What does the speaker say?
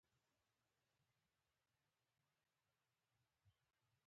د بیان ازادي مهمه ده ځکه چې د تبعیض مخه نیسي.